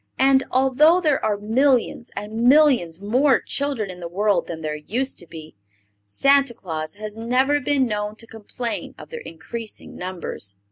And, although there are millions and millions more children in the world than there used to be, Santa Claus has never been known to complain of their increasing numbers.